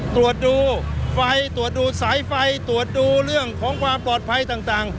ตรวจดูไฟตรวจดูสายไฟตรวจดูเรื่องของความปลอดภัยต่าง